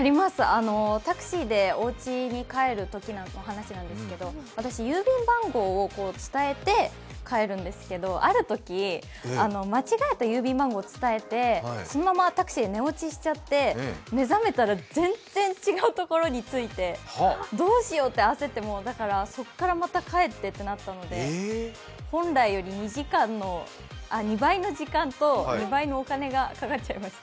タクシーでおうちに帰るときの話なんですけど、私、郵便番号を伝えて帰るんですけど、あるとき、間違えた郵便番号を伝えてそのままタクシー、寝落ちしちゃって、目覚めたら全然違うところに着いて、どうしようと焦ってそこからまた帰ってってなったので本来より２倍の時間と２倍のお金がかかっちゃいました。